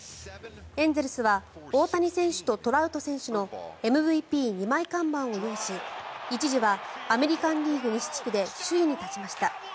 エンゼルスは大谷選手とトラウト選手のＭＶＰ二枚看板を擁し一時はアメリカン・リーグ西地区で首位に立ちました。